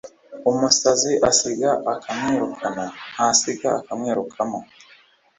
Umusazi asiga akamwirukana, ntasiga akamwirukamo.